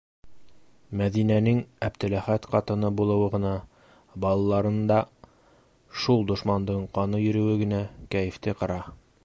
Мәҙинәнең Әптеләхәт ҡатыны булыуы ғына, балаларында шул дошмандың ҡаны йөрөүе генә кәйефте ҡыра.